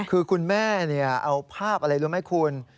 คือคุณแม่เอาภาพอะไรรู้ไหมคุณ